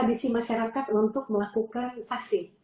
kondisi masyarakat untuk melakukan sasi